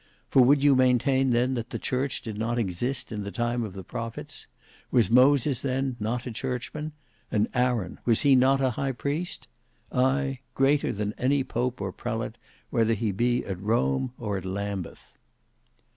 For would you maintain then that the church did not exist in the time of the prophets? Was Moses then not a churchman? And Aaron, was he not a high priest? Ay! greater than any pope or prelate, whether he be at Rome or at Lambeth.